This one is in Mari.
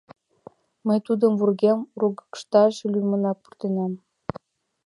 Мый тудым вургем ургыкташ лӱмынак пуртем.